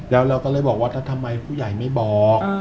แล้วเราก็เลยบอกว่าถ้าทำไมผู้ใหญ่ไม่บอก